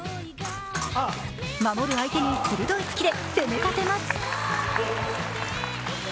守る相手に鋭い突きで攻め立てます。